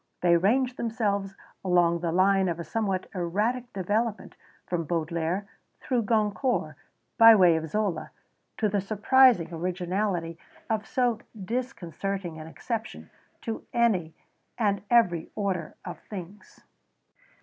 They range themselves along the line of a somewhat erratic development, from Baudelaire, through Goncourt, by way of Zola, to the surprising originality of so disconcerting an exception to any and every order of things.